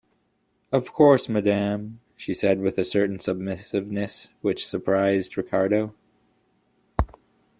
"Of course, madame," she said, with a certain submissiveness which surprised Ricardo.